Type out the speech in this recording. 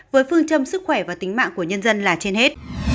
với phương châm sức khỏe và tính mạng của nhân dân là trên hết